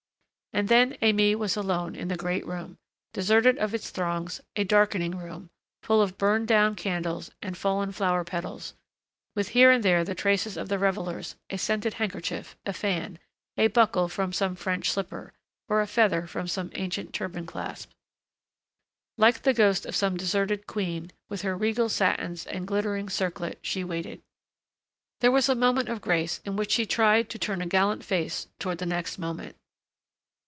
And then Aimée was alone in the great room, deserted of its throngs, a darkening room, full of burned down candles and fallen flower petals, with here and there the traces of the revelers, a scented handkerchief ... a fan ... a buckle from some French slipper ... or a feather from some ancient turban clasp.... Like the ghost of some deserted queen, with her regal satins and glittering circlet, she waited. There was a moment of grace in which she tried, to turn a gallant face toward the next moment.